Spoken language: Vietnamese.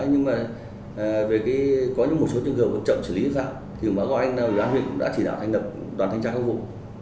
nhưng mà có những một số trường hợp chậm xử lý xã thì bà cao anh huyện đã chỉ đạo đoàn thanh tra công vụ